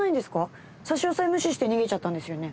差し押さえを無視して逃げちゃったんですよね？